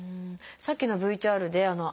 さっきのＶＴＲで朝方に